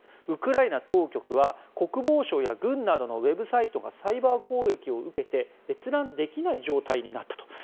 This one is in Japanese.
ウクライナ当局は国防省や軍などのウェブサイトがサイバー攻撃を受けて閲覧できない状態になったと。